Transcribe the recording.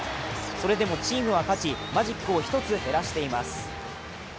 それでもチームは勝ち、マジックを１つ減らしています。